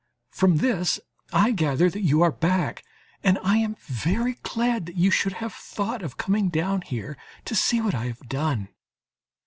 From this I gather that you are back, and I am very glad that you should have thought of coming down here to see what I have done.